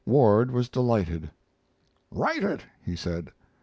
Ward was delighted. "Write it," he said.